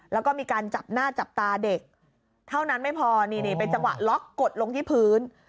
แล้วก็มีการจับหน้าจับตาเด็กเท่านั้นไม่พอนี่เป็นจังหวะล็อกกดลงที่พื้น